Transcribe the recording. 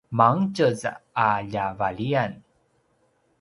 mangetjez a ljavaliyan